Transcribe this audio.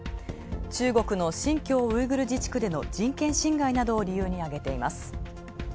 中国の新疆ウイグル自治区での人権侵害などを理由にあげています。